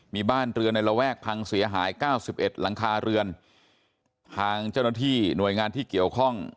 มีบ้านเรือนในระแวกพังเสียหายเก้าสิบเอ็ดหลังคาเรือนทางเจ้าหน้าที่หน่วยงานที่เกี่ยวข้อง